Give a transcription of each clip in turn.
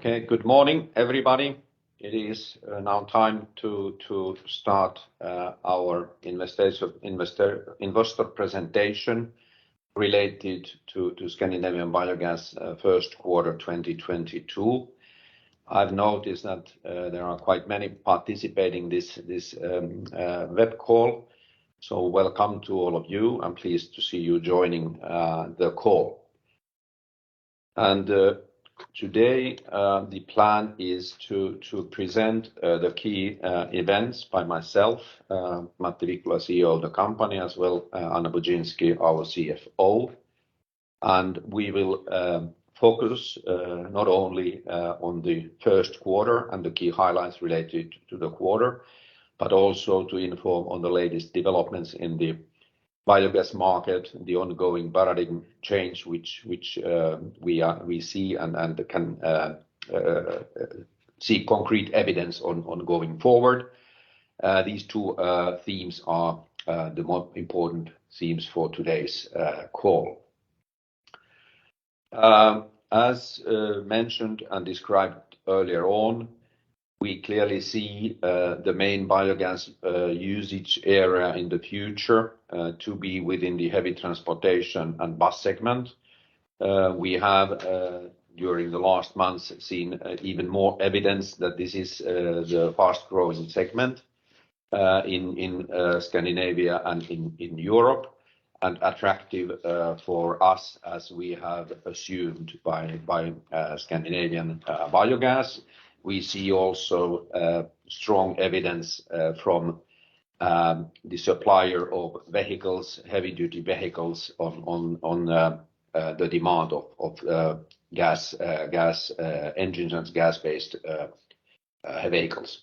Okay. Good morning, everybody. It is now time to start our investor presentation related to Scandinavian Biogas first quarter 2022. I've noticed that there are quite many participating in this web call, so welcome to all of you. I'm pleased to see you joining the call. Today the plan is to present the key events by myself, Matti Vikkula, CEO of the company, as well, Anna Budzynski, our CFO. We will focus not only on the first quarter and the key highlights related to the quarter, but also to inform on the latest developments in the biogas market, the ongoing paradigm change which we see and can see concrete evidence on going forward. These two themes are the more important themes for today's call. As mentioned and described earlier on, we clearly see the main biogas usage area in the future to be within the heavy transportation and bus segment. We have during the last months seen even more evidence that this is the fast-growing segment in Scandinavia and in Europe, and attractive for us as we have at Scandinavian Biogas. We see also strong evidence from suppliers of heavy-duty vehicles on the demand for gas engines and gas-based vehicles.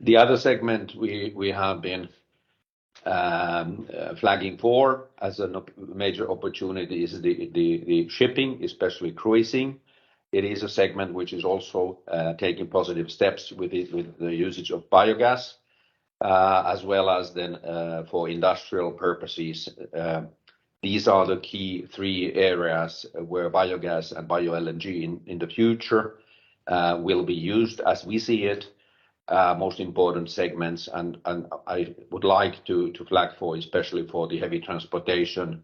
The other segment we have been flagging as a major opportunity is the shipping, especially cruising. It is a segment which is also taking positive steps with it, with the usage of biogas, as well as then for industrial purposes. These are the key three areas where biogas and bio-LNG in the future will be used. As we see it, most important segments and I would like to flag for especially for the heavy transportation,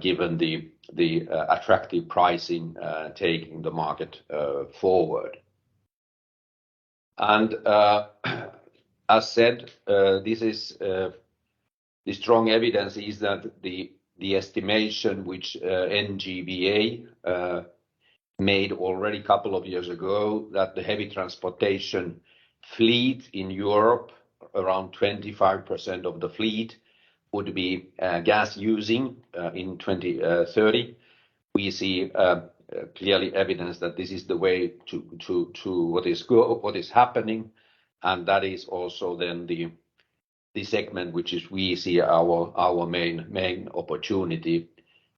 given the attractive pricing, taking the market forward. As said, this is the strong evidence is that the estimation which NGVA made already couple of years ago that the heavy transportation fleet in Europe, around 25% of the fleet would be gas-using in 2030. We see clearly evidence that this is the way to what is happening, and that is also then the segment which is we see our main opportunity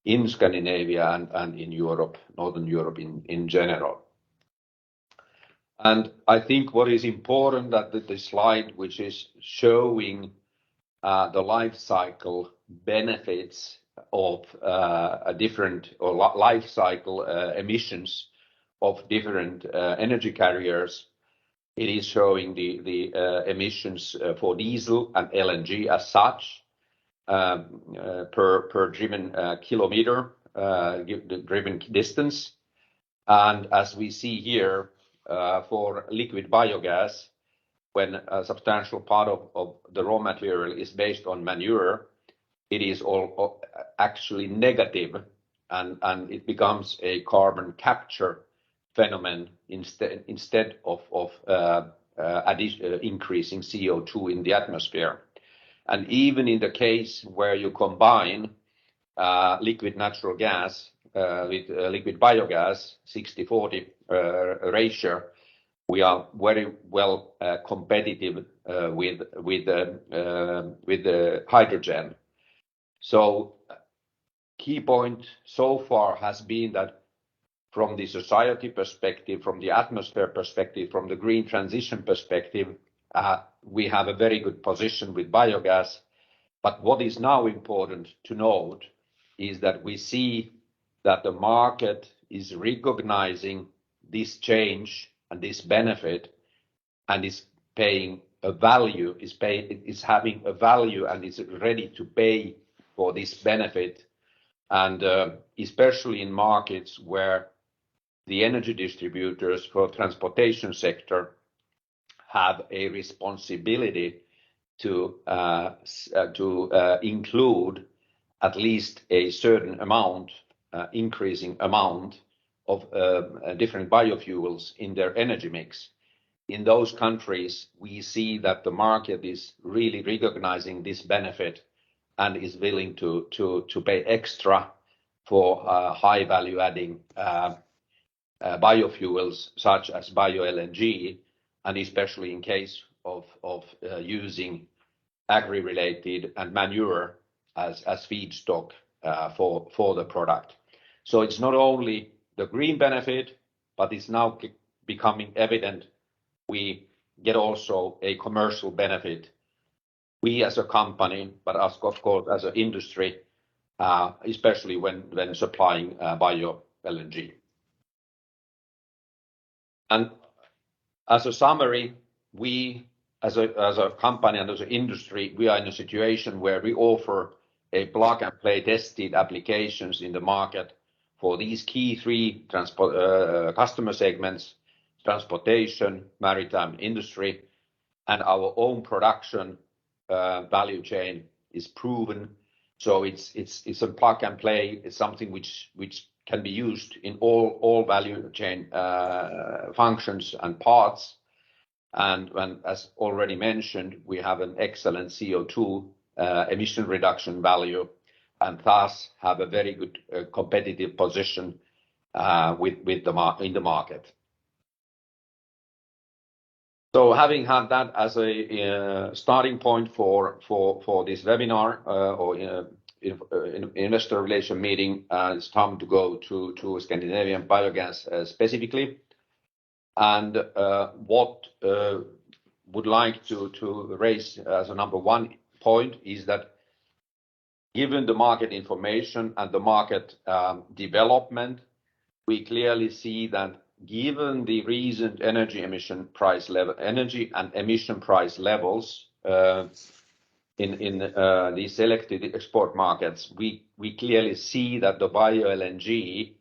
in Scandinavia and in Europe, Northern Europe in general. I think what is important that the slide which is showing the life cycle benefits of a different or life cycle emissions of different energy carriers, it is showing the emissions for diesel and LNG as such per driven kilometer the driven distance. As we see here, for liquid biogas, when a substantial part of the raw material is based on manure, it is actually negative and it becomes a carbon capture phenomenon instead of increasing CO2 in the atmosphere. Even in the case where you combine liquid natural gas with liquid biogas 60/40 ratio, we are very well competitive with the hydrogen. Key point so far has been that from the society perspective, from the atmosphere perspective, from the green transition perspective, we have a very good position with biogas. What is now important to note is that we see that the market is recognizing this change and this benefit and is having a value and is ready to pay for this benefit. Especially in markets where the energy distributors for transportation sector have a responsibility to include at least a certain amount, increasing amount of different biofuels in their energy mix. In those countries we see that the market is really recognizing this benefit and is willing to pay extra for high value adding biofuels such as bio-LNG and especially in case of using agri-related and manure as feedstock for the product. It's not only the green benefit, but it's now becoming evident we get also a commercial benefit. We as a company, but us, of course, as an industry, especially when supplying bio-LNG. As a summary, we as a company and as an industry, we are in a situation where we offer a plug-and-play tested applications in the market for these key three customer segments, transportation, maritime industry, and our own production value chain is proven. It's a plug and play. It's something which can be used in all value chain functions and parts. As already mentioned, we have an excellent CO2 emission reduction value, and thus have a very good competitive position in the market. Having had that as a starting point for this webinar or investor relations meeting, it's time to go to Biokraft International specifically. What would like to raise as a number one point is that given the market information and the market development, we clearly see that given the recent energy and emission price levels in the selected export markets, we clearly see that the bio-LNG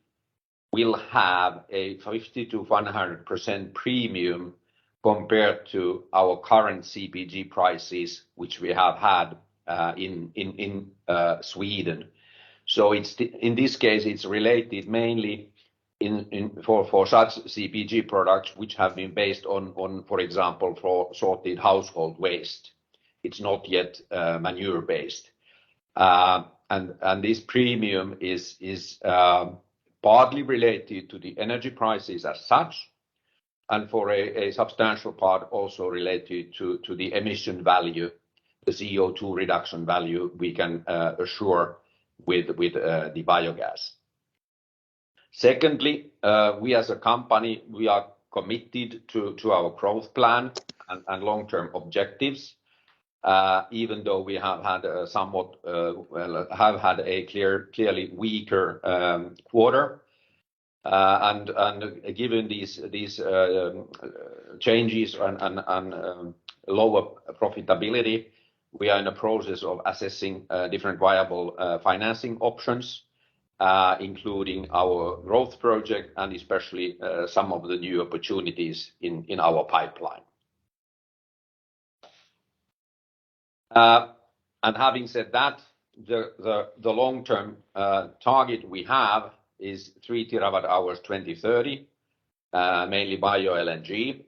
will have a 50%-100% premium compared to our current CBG prices, which we have had in Sweden. In this case, it's related mainly to such CBG products which have been based on, for example, sorted household waste. It's not yet manure based. This premium is partly related to the energy prices as such, and for a substantial part also related to the emission value, the CO2 reduction value we can assure with the biogas. Secondly, we as a company, we are committed to our growth plan and long-term objectives, even though we have had a somewhat, well, clearly weaker quarter. Given these changes and lower profitability, we are in a process of assessing different viable financing options, including our growth project and especially some of the new opportunities in our pipeline. Having said that, the long-term target we have is 3 TWh 2030, mainly bio-LNG,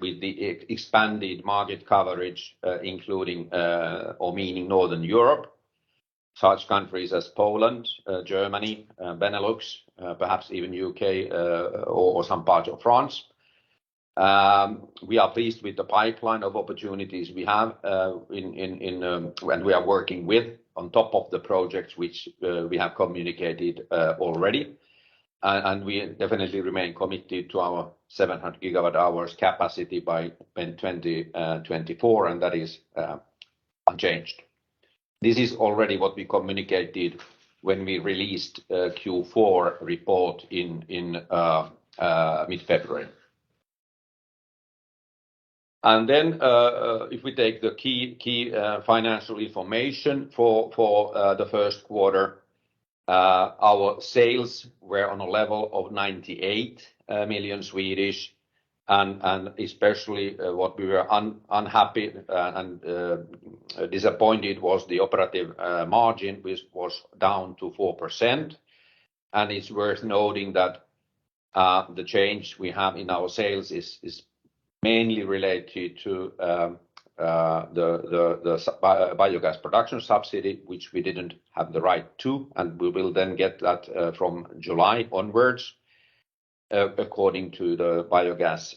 with the expanded market coverage, including or meaning Northern Europe, such countries as Poland, Germany, Benelux, perhaps even U.K., or some part of France. We are pleased with the pipeline of opportunities we have, and we are working on top of the projects which we have communicated already. We definitely remain committed to our 700 GWh capacity by 2024, and that is unchanged. This is already what we communicated when we released Q4 report in mid-February. If we take the key financial information for the first quarter, our sales were on a level of 98 million. Especially, what we were unhappy and disappointed was the operating margin, which was down to 4%. It's worth noting that the change we have in our sales is mainly related to the biogas production subsidy, which we didn't have the right to, and we will then get that from July onwards, according to the biogas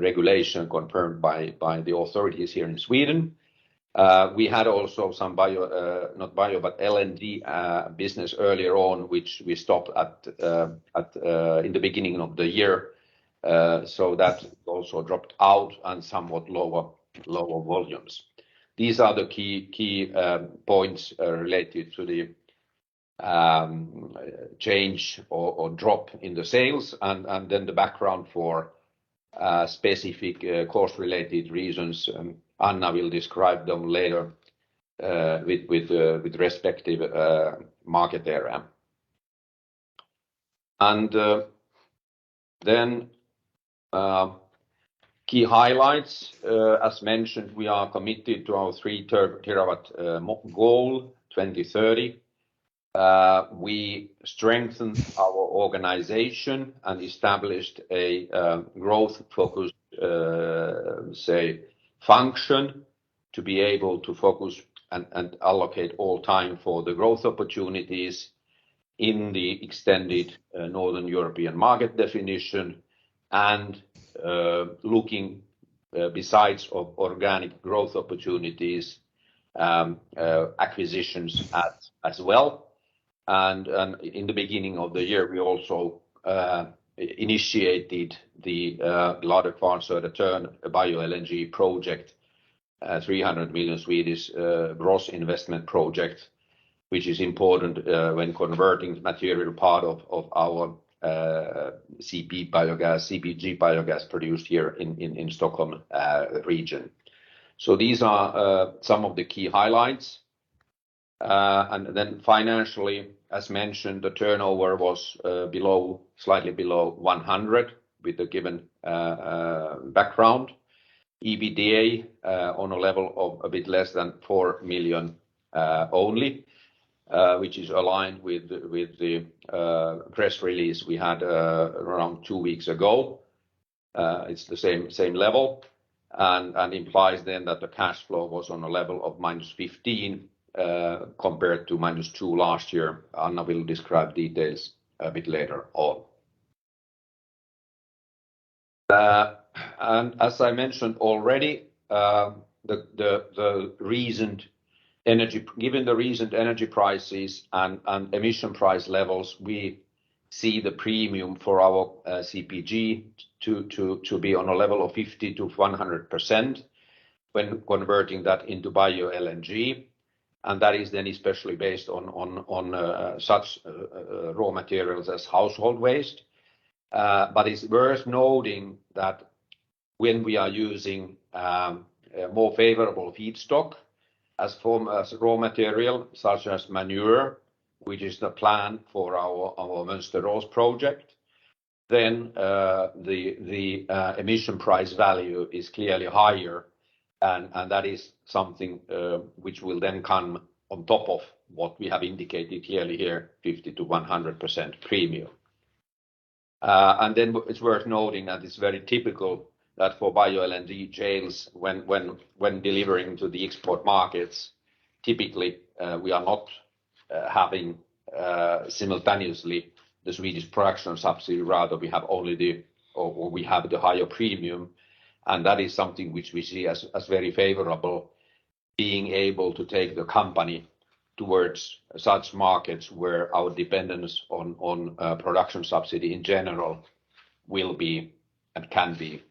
regulation confirmed by the authorities here in Sweden. We had also some LNG business earlier on, which we stopped in the beginning of the year, so that also dropped out and somewhat lower volumes. These are the key points related to the change or drop in the sales and then the background for specific cost-related reasons. Anna will describe them later with respective market area. Then key highlights. As mentioned, we are committed to our 3-TW goal, 2030. We strengthened our organization and established a growth-focused sales function to be able to focus and allocate all time for the growth opportunities. In the extended Northern European market definition, looking beyond organic growth opportunities, acquisitions as well. In the beginning of the year, we also initiated the larger turnkey bio-LNG project, 300 million gross investment project, which is important when converting material part of our CBG biogas produced here in the Stockholm region. These are some of the key highlights. Financially, as mentioned, the turnover was slightly below 100 with the given background. EBITDA on a level of a bit less than 4 million only, which is aligned with the press release we had around 2 weeks ago. It's the same level, and implies then that the cash flow was on a level of -15 million compared to -2 million last year. Anna will describe details a bit later on. Given the recent energy prices and emission price levels, we see the premium for our CBG to be on a level of 50%-100% when converting that into bio-LNG. That is then especially based on such raw materials as household waste. It's worth noting that when we are using a more favorable feedstock as a form of raw material, such as manure, which is the plan for our Mönsterås project, then the emission price value is clearly higher and that is something which will then come on top of what we have indicated clearly here, 50%-100% premium. It's worth noting that it's very typical that for bio-LNG chains, when delivering to the export markets, typically we are not having simultaneously the Swedish production subsidy, rather we have only the, or we have the higher premium. That is something which we see as very favorable, being able to take the company towards such markets where our dependence on production subsidy in general will be and can be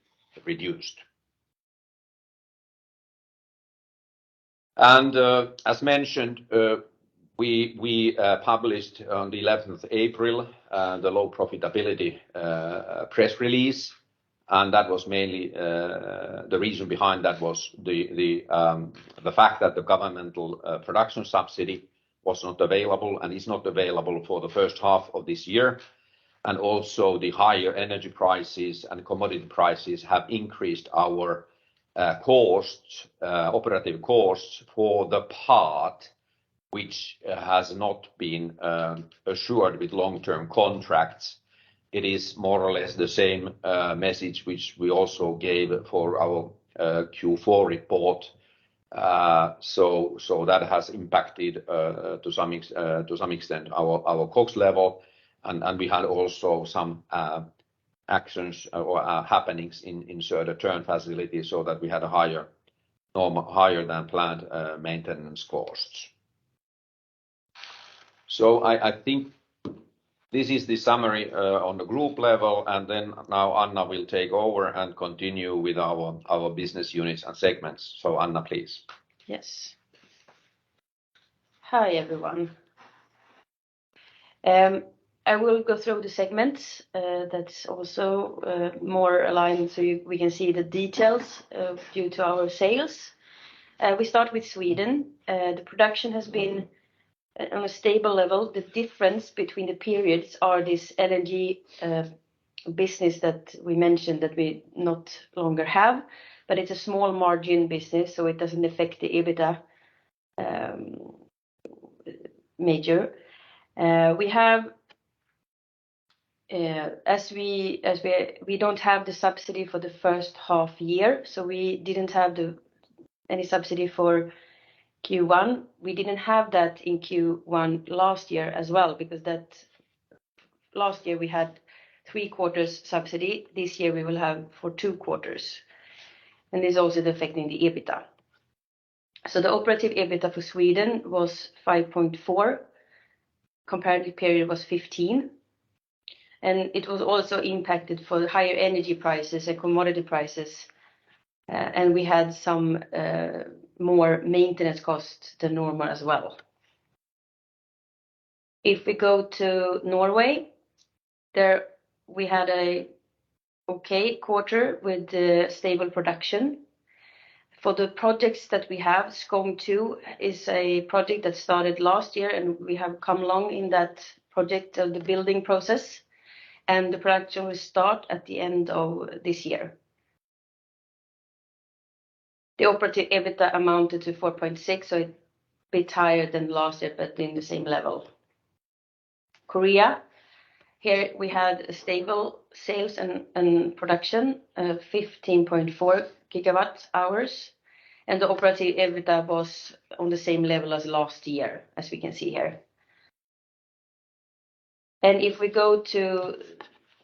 reduced. As mentioned, we published on the eleventh of April the low profitability press release, and that was mainly the reason behind that, the fact that the governmental production subsidy was not available and is not available for the first half of this year. The higher energy prices and commodity prices have increased our operating costs for the part which has not been assured with long-term contracts. It is more or less the same message which we also gave for our Q4 report. That has impacted to some extent our cost level. We had also some actions or happenings in Södertörn facility so that we had higher than planned maintenance costs. I think this is the summary on the group level. Then now Anna will take over and continue with our business units and segments. Anna, please. Yes. Hi, everyone. I will go through the segments that's also more aligned so we can see the details of our sales. We start with Sweden. The production has been on a stable level. The difference between the periods are this LNG business that we mentioned that we no longer have, but it's a small margin business, so it doesn't affect the EBITDA majorly. We have, as we don't have the subsidy for the first half year, so we didn't have any subsidy for Q1. We didn't have that in Q1 last year as well, because last year we had three quarters subsidy. This year we will have for two quarters. This is also affecting the EBITDA. The operative EBITDA for Sweden was 5.4 million, comparative period was 15 million, and it was also impacted by the higher energy prices and commodity prices. We had some more maintenance costs than normal as well. If we go to Norway, there we had an OK quarter with the stable production. For the projects that we have, Skogn II is a project that started last year, and we have come along in that project of the building process. The production will start at the end of this year. The operative EBITDA amounted to 4.6 million, so a bit higher than last year, but in the same level. Overall. Here we had stable sales and production, 15.4 GWh, and the operating EBITDA was on the same level as last year, as we can see here. If we go to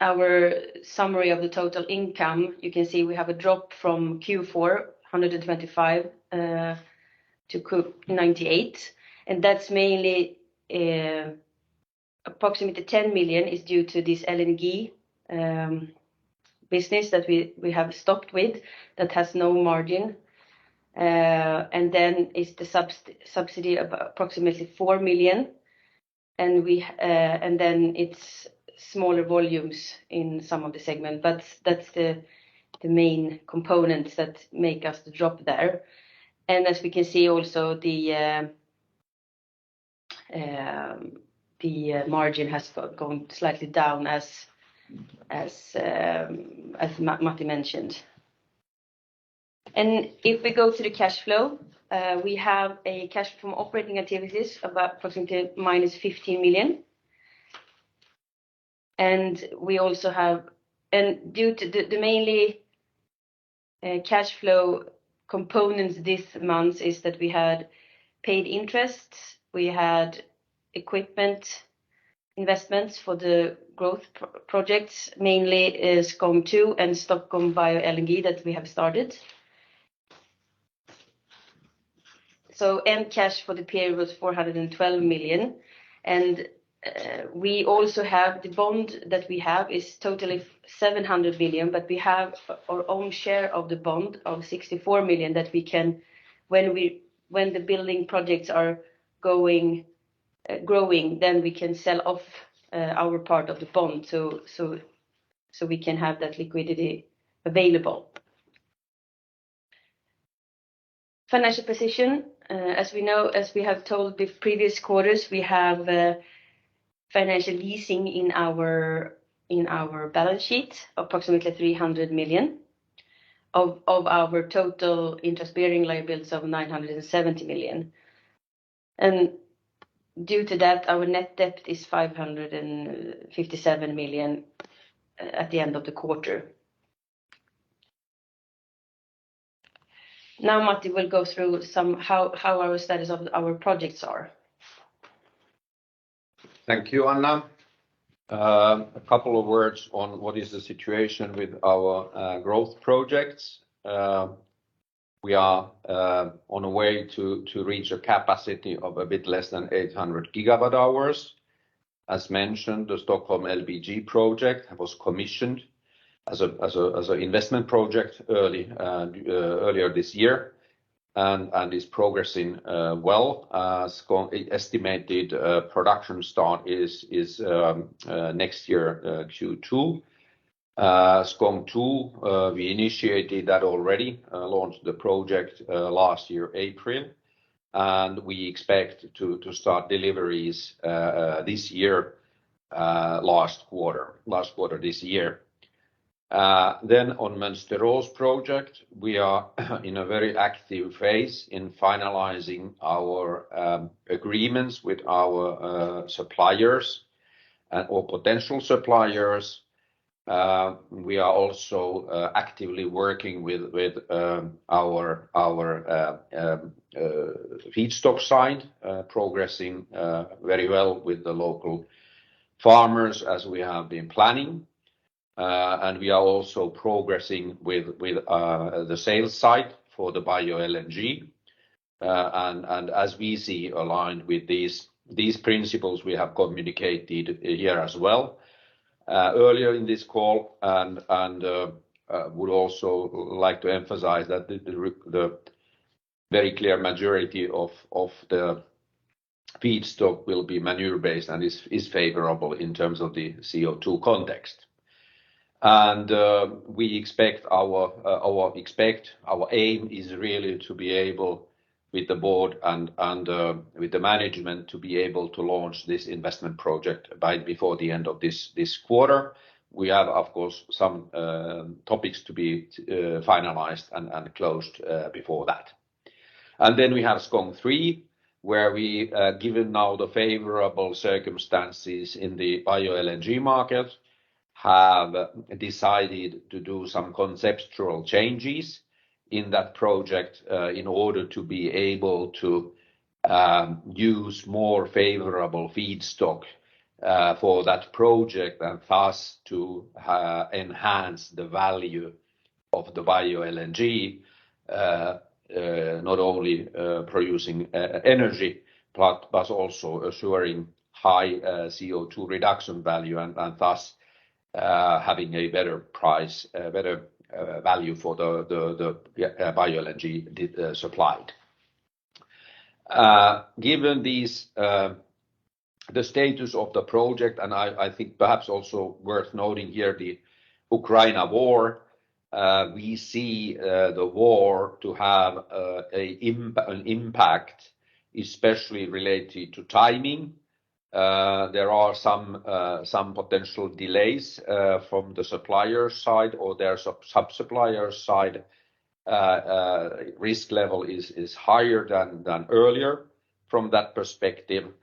our summary of the total income, you can see we have a drop from Q4 125 million to 98 million. That's mainly approximately 10 million is due to this LNG business that we have stopped with that has no margin. Then it's the subsidy of approximately 4 million. Then it's smaller volumes in some of the segments, but that's the main components that make us drop there. As we can see also the margin has gone slightly down as Matti mentioned. If we go to the cash flow, we have cash flow from operating activities of approximately minus 50 million. We also have. Due to the mainly cash flow components this month is that we had paid interests, we had equipment investments for the growth projects, mainly is Skogn II and Stockholm bio-LNG that we have started. End cash for the period was 412 million. We also have the bond that we have is totally 700 million, but we have our own share of the bond of 64 million that we can when we when the building projects are going growing, then we can sell off our part of the bond, so we can have that liquidity available. Financial position. As we know, as we have told the previous quarters, we have financial leasing in our in our balance sheet, approximately 300 million of our total interest-bearing liabilities of 970 million. Due to that, our net debt is 557 million at the end of the quarter. Now Matti will go through how our status of our projects are. Thank you, Anna. A couple of words on what is the situation with our growth projects. We are on a way to reach a capacity of a bit less than 800 gigawatt-hours. As mentioned, the Stockholm LBG project was commissioned as a investment project earlier this year and is progressing well. Estimated production start is next year, Q2. Skogn II, we initiated that already, launched the project last year, April, and we expect to start deliveries this year, last quarter this year. On Mönsterås project, we are in a very active phase in finalizing our agreements with our suppliers and/or potential suppliers. We are also actively working with our feedstock side, progressing very well with the local farmers as we have been planning. We are also progressing with the sales side for the bio-LNG, and as we see aligned with these principles we have communicated here as well, earlier in this call and would also like to emphasize that the very clear majority of the feedstock will be manure-based and is favorable in terms of the CO2 context. We expect our aim is really to be able with the board and with the management to be able to launch this investment project before the end of this quarter. We have, of course, some topics to be finalized and closed before that. Then we have Skogn III, where we, given now the favorable circumstances in the bio-LNG market, have decided to do some conceptual changes in that project, in order to be able to use more favorable feedstock for that project and thus to enhance the value of the bio-LNG, not only producing energy, but also assuring high CO2 reduction value and thus having a better price, better value for the bio-LNG that's supplied. Given these, the status of the project and I think perhaps also worth noting here the Ukraine war, we see the war to have an impact especially related to timing. There are some potential delays from the supplier side or their sub-supplier side. Risk level is higher than earlier. From that perspective,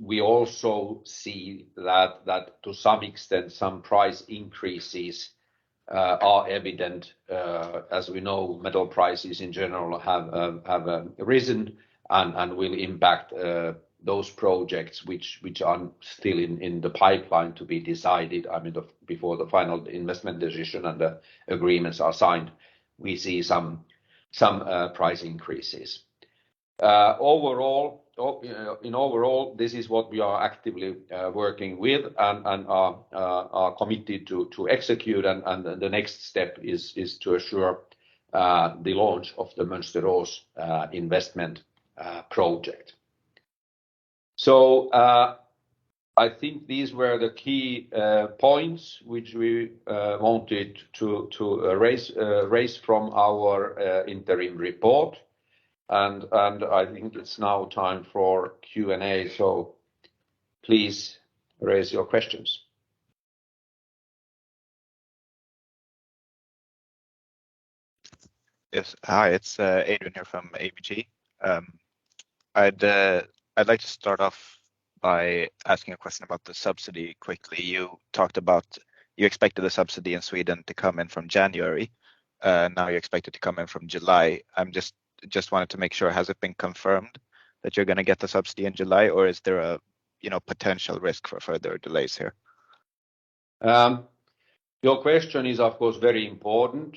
we also see that to some extent, some price increases are evident. As we know, metal prices in general have risen and will impact those projects which are still in the pipeline to be decided, I mean, before the final investment decision and the agreements are signed. We see some price increases. Overall, or, you know, overall, this is what we are actively working with and are committed to execute and the next step is to assure the launch of the Mönsterås investment project. I think these were the key points which we wanted to raise from our interim report. I think it's now time for Q&A, so please raise your questions. Yes. Hi, it's Adrian here from ABG. I'd like to start off by asking a question about the subsidy quickly. You talked about you expected the subsidy in Sweden to come in from January, now you expect it to come in from July. I'm just wanted to make sure has it been confirmed that you're gonna get the subsidy in July, or is there a, you know, potential risk for further delays here? Your question is, of course, very important.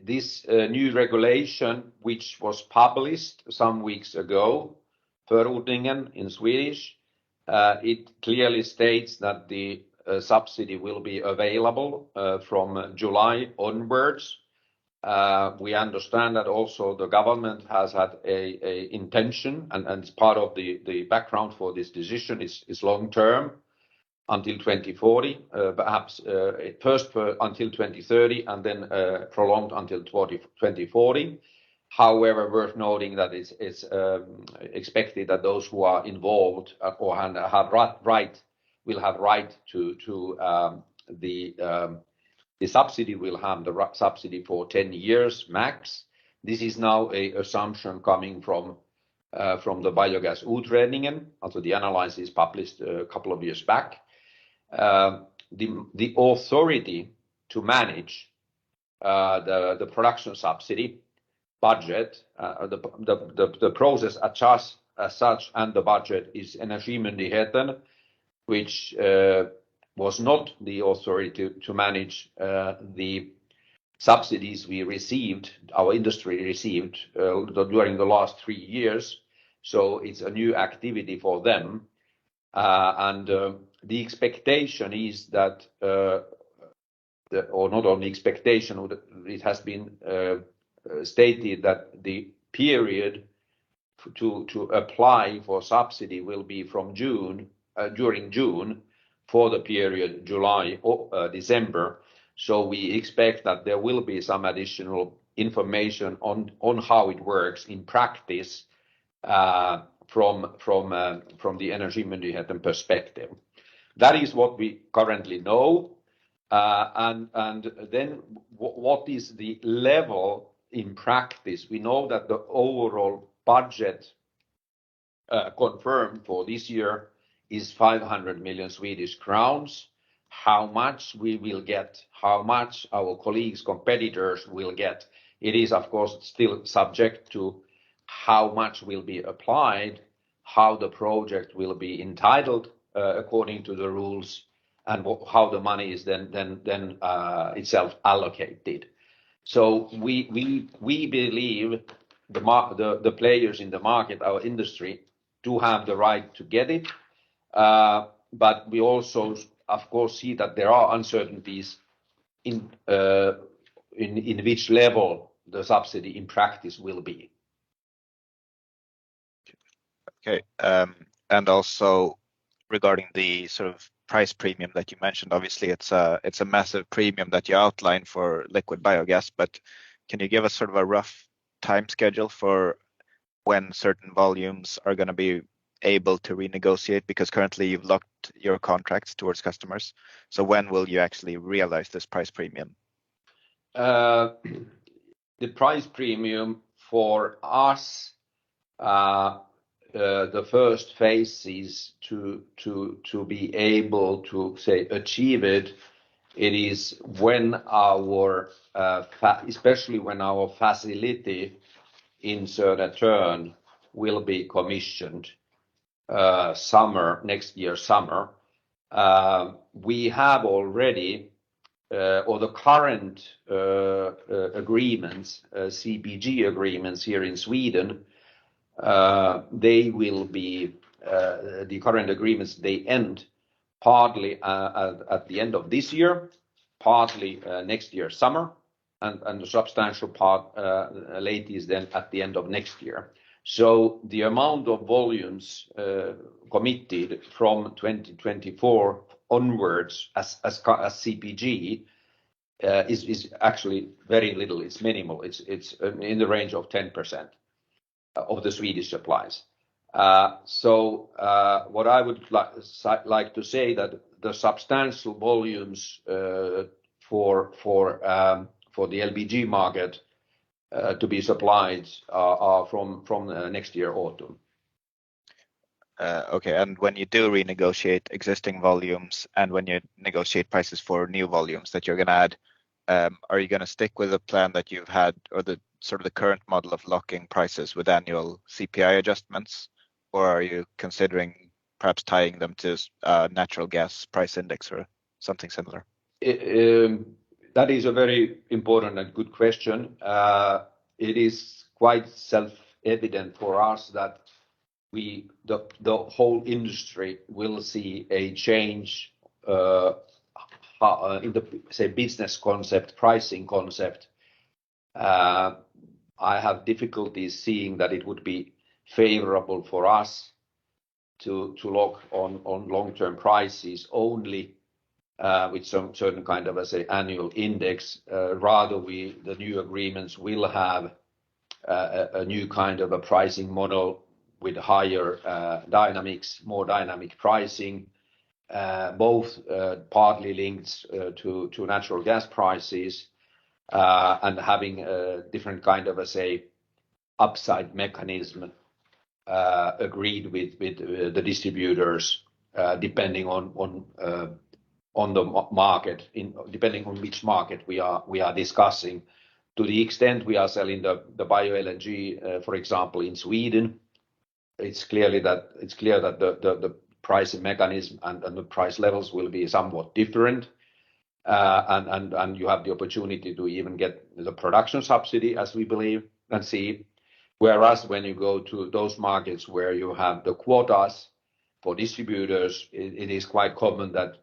This new regulation, which was published some weeks ago, förordningen in Swedish, it clearly states that the subsidy will be available from July onwards. We understand that also the government has had an intention and it's part of the background for this decision is long-term, until 2040. Perhaps at first for until 2030, and then prolonged until 2040. However, worth noting that is expected that those who are involved or have right will have right to the subsidy will have the subsidy for 10 years max. This is now an assumption coming from the Biogasmarknadsutredningen. Also, the analysis published a couple of years back. The authority to manage the production subsidy budget, the process as such, and the budget is Energimyndigheten, which was not the authority to manage the subsidies we received, our industry received, during the last three years. It's a new activity for them. The expectation is that. Or not only expectation, it has been stated that the period to apply for subsidy will be from June, during June, for the period July or December. We expect that there will be some additional information on how it works in practice, from the Energimyndigheten perspective. That is what we currently know. What is the level in practice? We know that the overall budget confirmed for this year is 500 million Swedish crowns. How much we will get? How much our colleagues, competitors will get? It is, of course, still subject to how much will be applied, how the project will be entitled according to the rules, and how the money is then itself allocated. We believe the players in the market, our industry, do have the right to get it. But we also, of course, see that there are uncertainties in which level the subsidy in practice will be. Okay. Regarding the sort of price premium that you mentioned, obviously, it's a massive premium that you outlined for liquid biogas. Can you give us sort of a rough time schedule for when certain volumes are gonna be able to renegotiate? Because currently you've locked your contracts toward customers. When will you actually realize this price premium? The price premium for us, the first phase is to be able to, say, achieve it. It is especially when our facility in Södertörn will be commissioned, summer next year summer. We have already our current CBG agreements here in Sweden. They end partly at the end of this year, partly next year summer, and the substantial part largely at the end of next year. The amount of volumes committed from 2024 onwards as CBG is actually very little. It's minimal. It's in the range of 10% of the Swedish supplies. What I would like to say that the substantial volumes for the LBG market to be supplied are from the next year autumn. Okay. When you do renegotiate existing volumes and when you negotiate prices for new volumes that you're gonna add, are you gonna stick with the plan that you've had or the sort of the current model of locking prices with annual CPI adjustments, or are you considering perhaps tying them to natural gas price index or something similar? That is a very important and good question. It is quite self-evident for us that the whole industry will see a change in the, say, business concept, pricing concept. I have difficulties seeing that it would be favorable for us to lock on long-term prices only with some certain kind of, let's say, annual index. Rather the new agreements will have a new kind of a pricing model with higher dynamics, more dynamic pricing, both partly linked to natural gas prices and having a different kind of, let's say, upside mechanism agreed with the distributors depending on which market we are discussing. To the extent we are selling the bioenergy, for example, in Sweden, it's clear that the pricing mechanism and the price levels will be somewhat different. You have the opportunity to even get the production subsidy, as we believe and see. Whereas when you go to those markets where you have the quotas for distributors, it is quite common that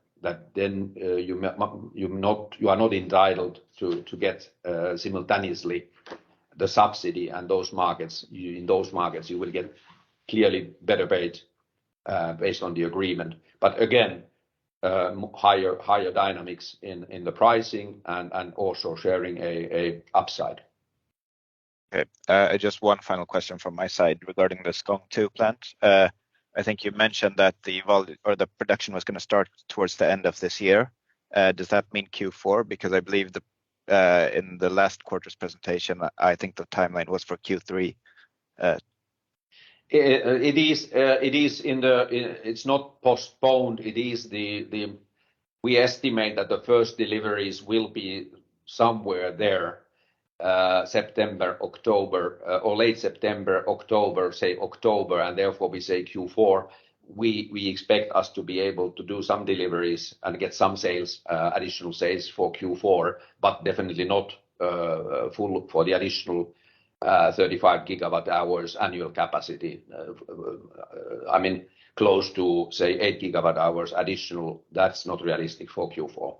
then you are not entitled to get simultaneously the subsidy in those markets. In those markets you will get clearly better paid, based on the agreement. Again, higher dynamics in the pricing and also sharing a upside. Okay. Just one final question from my side regarding the Skogn II plant. I think you mentioned that the production was gonna start towards the end of this year. Does that mean Q4? Because I believe in the last quarter's presentation, I think the timeline was for Q3. It's not postponed. We estimate that the first deliveries will be somewhere there, September, October, or late September, October, say October, and therefore we say Q4. We expect us to be able to do some deliveries and get some sales, additional sales for Q4, but definitely not full for the additional 35 GWh annual capacity. I mean, close to, say, 8 GWh additional, that's not realistic for Q4.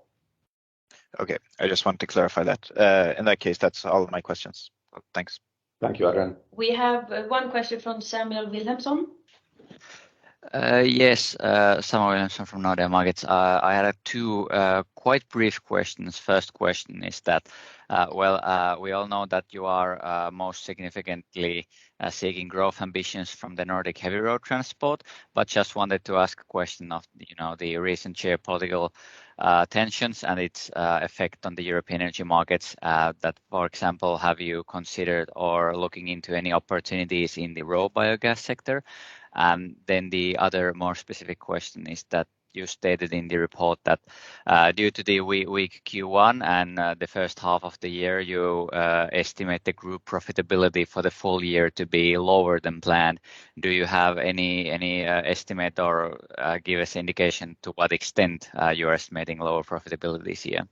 Okay. I just wanted to clarify that. In that case, that's all of my questions. Thanks. Thank you, Adrian. We have one question from Samuel Williamson. Yes. Samuel Williamson from Nordea Markets. I had two quite brief questions. First question is that, well, we all know that you are most significantly seeking growth ambitions from the Nordic heavy road transport. Just wanted to ask a question of, you know, the recent geopolitical tensions and its effect on the European energy markets, that, for example, have you considered or are looking into any opportunities in the raw biogas sector? Then the other more specific question is that you stated in the report that, due to the weak Q1 and the first half of the year, you estimate the group profitability for the full year to be lower than planned. Do you have any estimate or give us indication to what extent you are estimating lower profitability this year?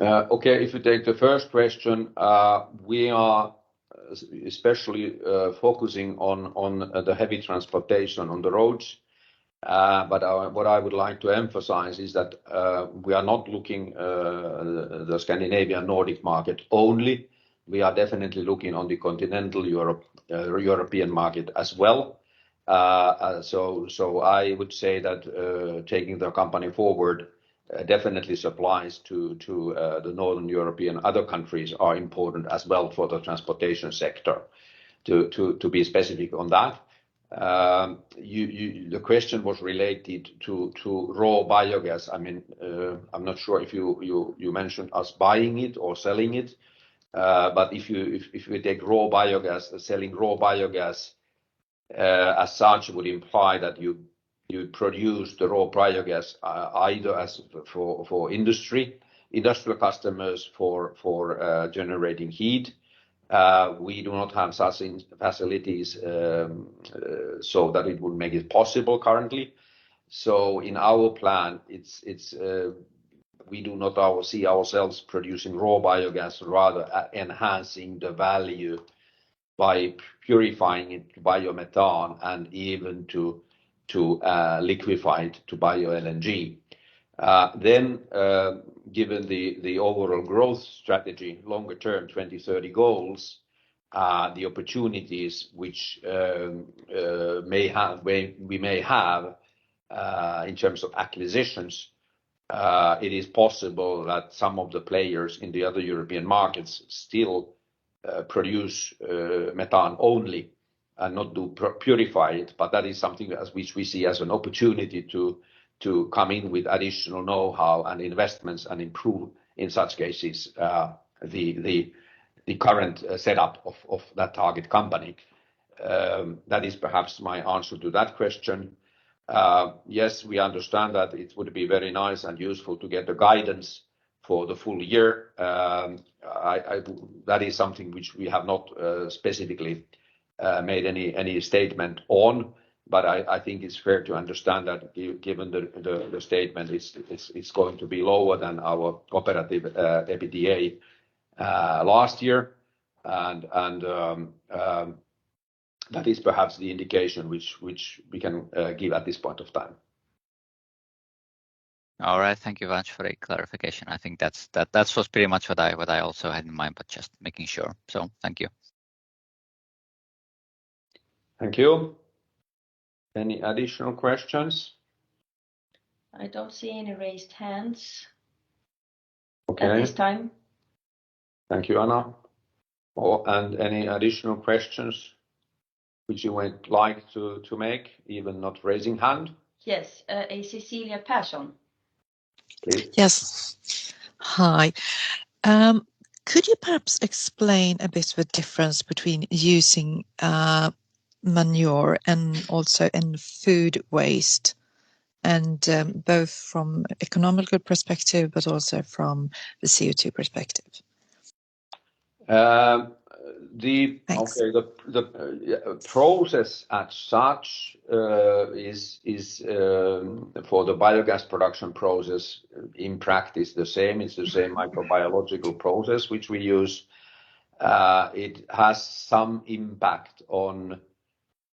Okay. If you take the first question, we are especially focusing on the heavy transportation on the roads. What I would like to emphasize is that we are not looking the Scandinavian Nordic market only. We are definitely looking on the Continental European market as well. I would say that taking the company forward definitely supplies to the Northern European other countries are important as well for the transportation sector. To be specific on that, the question was related to raw biogas. I mean, I'm not sure if you mentioned us buying it or selling it. If we take raw biogas, selling raw biogas as such would imply that you produce the raw biogas, either for industrial customers for generating heat. We do not have such facilities, so that it would make it possible currently. In our plan, we do not see ourselves producing raw biogas, rather enhancing the value by purifying it to biomethane and even to liquefy it to bio-LNG. Given the overall growth strategy, longer-term 2030 goals, the opportunities which we may have in terms of acquisitions, it is possible that some of the players in the other European markets still produce methane only and not purify it. That is something as which we see as an opportunity to come in with additional know-how and investments and improve in such cases, the current setup of that target company. That is perhaps my answer to that question. Yes, we understand that it would be very nice and useful to get the guidance for the full year. That is something which we have not specifically made any statement on. I think it's fair to understand that given the statement it's going to be lower than our comparable EBITDA last year, and that is perhaps the indication which we can give at this point of time. All right. Thank you very much for the clarification. I think that's that was pretty much what I also had in mind, but just making sure. Thank you. Thank you. Any additional questions? I don't see any raised hands. Okay at this time. Thank you, Anna. Any additional questions which you would like to make, even not raising hand? Yes. Cecilia Persson. Please. Yes. Hi. Could you perhaps explain a bit the difference between using manure and also food waste, both from economic perspective but also from the CO2 perspective? Um, the- Thanks Okay. The process as such is the same for the biogas production process in practice. It's the same microbiological process which we use. It has some impact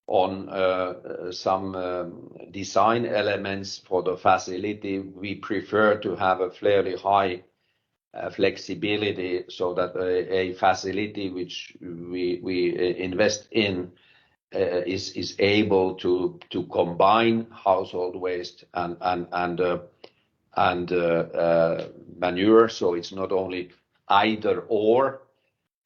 on some design elements for the facility. We prefer to have a fairly high flexibility so that a facility which we invest in is able to combine household waste and manure. It's not only either/or,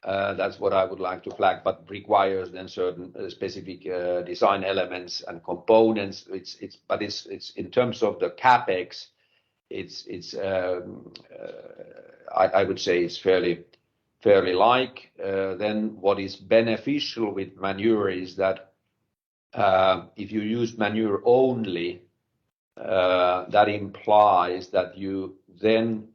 that's what I would like to flag, but requires then certain specific design elements and components which it's. It's in terms of the CapEx, I would say it's fairly like. What is beneficial with manure is that if you use manure only, that implies that you then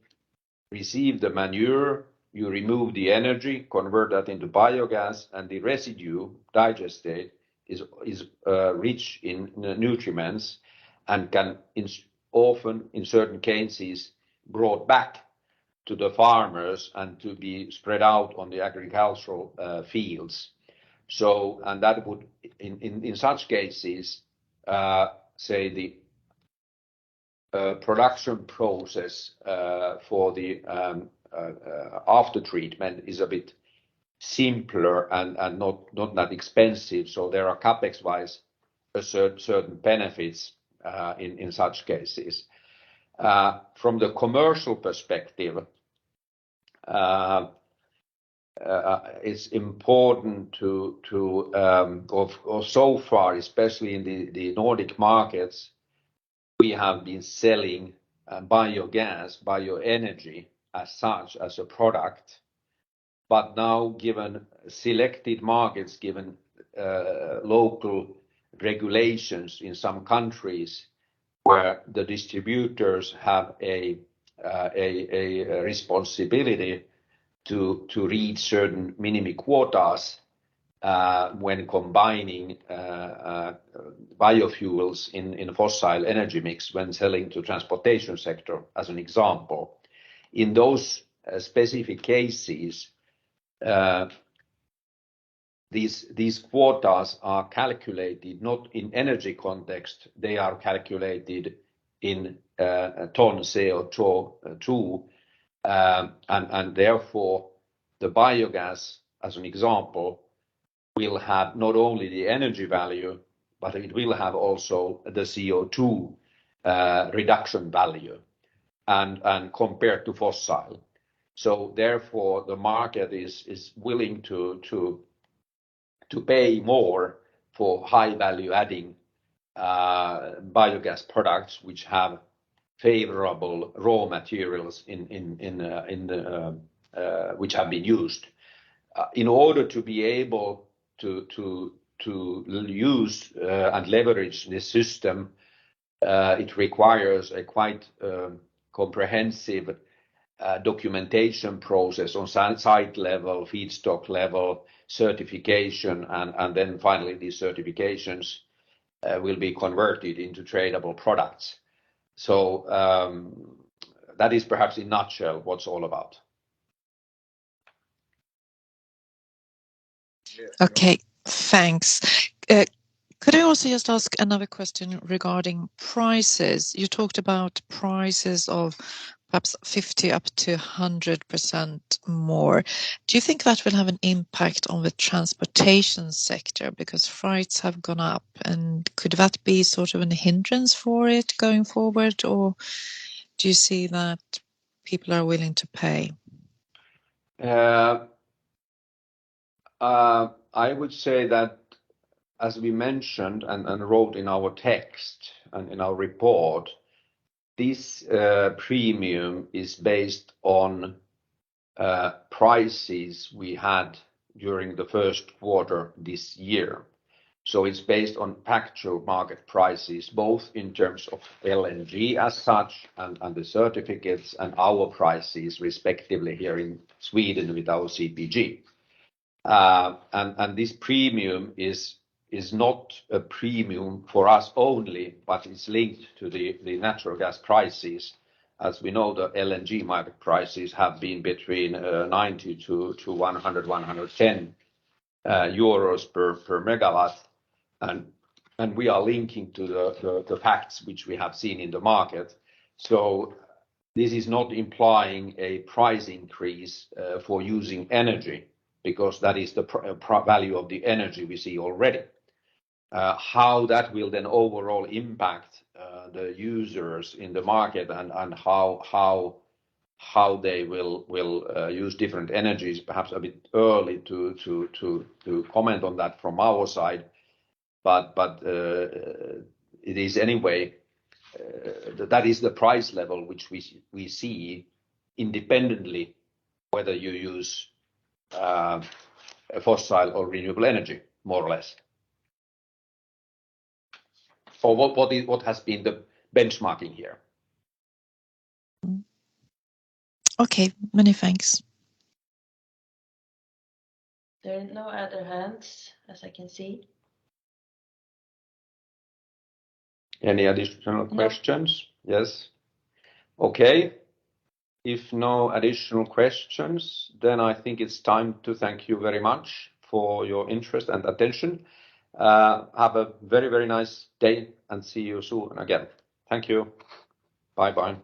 receive the manure, you remove the energy, convert that into biogas, and the residue digestate is rich in nutrients and can often in certain cases brought back to the farmers and to be spread out on the agricultural fields. That would in such cases say the production process for the after treatment is a bit simpler and not that expensive. There are CapEx-wise certain benefits in such cases. From the commercial perspective, so far, especially in the Nordic markets, we have been selling biogas, bioenergy as such as a product. Now given selected markets, local regulations in some countries where the distributors have a responsibility to reach certain minimum quotas, when combining biofuels in fossil energy mix when selling to transportation sector as an example, in those specific cases, these quotas are calculated not in energy content. They are calculated in ton CO2 too. Therefore the biogas, as an example, will have not only the energy value, but it will have also the CO2 reduction value and compared to fossil. Therefore the market is willing to pay more for high value adding biogas products which have favorable raw materials which have been used. In order to be able to to use and leverage the system, it requires a quite comprehensive documentation process on-site level, feedstock level certification. Then finally these certifications will be converted into tradable products. That is perhaps in a nutshell what's all about. Okay. Thanks. Could I also just ask another question regarding prices? You talked about prices of perhaps 50%-100% more. Do you think that will have an impact on the transportation sector because freights have gone up? Could that be sort of an hindrance for it going forward, or do you see that? People are willing to pay. I would say that as we mentioned and wrote in our text and in our report, this premium is based on prices we had during the first quarter this year. It's based on actual market prices, both in terms of LNG as such and the certificates and our prices respectively here in Sweden with our CBG. This premium is not a premium for us only, but it's linked to the natural gas prices. As we know, the LNG market prices have been between 90-110 euros per MW. We are linking to the facts which we have seen in the market. This is not implying a price increase for using energy because that is the value of the energy we see already. How that will then overall impact the users in the market and how they will use different energies perhaps a bit early to comment on that from our side. It is anyway that is the price level which we see independently whether you use a fossil or renewable energy more or less. For what has been the benchmarking here. Okay. Many thanks. There are no other hands as I can see. Any additional questions? No. Yes? Okay. If no additional questions, then I think it's time to thank you very much for your interest and attention. Have a very, very nice day and see you soon again. Thank you. Bye-bye.